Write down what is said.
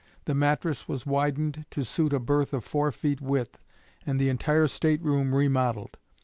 The mattress was widened to suit a berth of four feet width, and the entire state room remodelled.